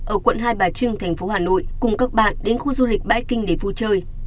ở quận hai bà trưng thành phố hà nội cùng các bạn đến khu du lịch bãi kinh để vui chơi